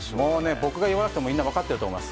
僕が言わなくてもみんな分かっていると思います。